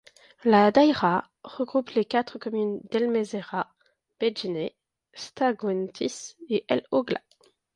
La daïra regroupe les quatre communes d'El Mezeraa, Bedjene, Stah Guentis et El Ogla.